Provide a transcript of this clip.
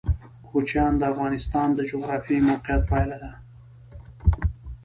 کوچیان د افغانستان د جغرافیایي موقیعت پایله ده.